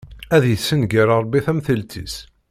Ad yessenger Ṛebbi tamtilt-is!